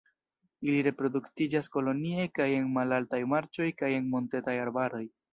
Ili reproduktiĝas kolonie kaj en malaltaj marĉoj kaj en montetaj arbaroj.